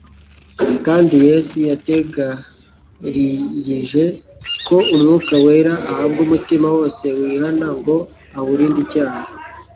kandi Yesu yategariyije ko Umwuka wera ahabwa umutima wose wihana ngo awurinde icyaha.